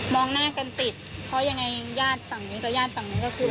หน้ากันติดเพราะยังไงญาติฝั่งนี้กับญาติฝั่งนู้นก็คือ